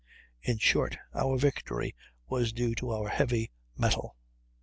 In short, our victory was due to our heavy metal.